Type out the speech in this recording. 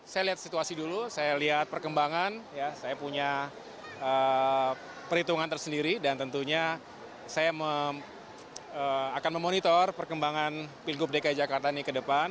saya lihat situasi dulu saya lihat perkembangan saya punya perhitungan tersendiri dan tentunya saya akan memonitor perkembangan pilgub dki jakarta ini ke depan